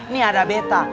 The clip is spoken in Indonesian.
nih ada betta